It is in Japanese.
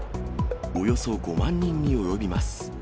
およそ５万人に及びます。